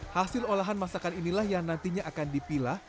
hasil olahan masakan inilah yang nantinya akan dipilah